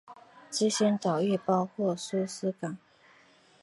这些岛屿包括苏斯港。